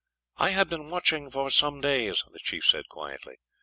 "I had been watching for some days," the chief said quietly.